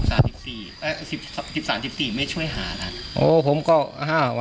สิบสามสิบสี่เอ่อสิบสามสิบสี่ไม่ช่วยหาครับโอ้ผมก็อ้าว